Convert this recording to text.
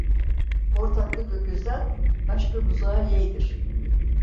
Ortaklık öküzden başka buzağı yeğdir.